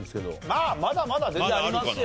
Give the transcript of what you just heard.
まあまだまだ全然ありますよ。